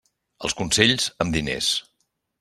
Els consells, amb diners.